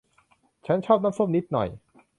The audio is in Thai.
ฉันชอบน้ำส้มนิดหน่อย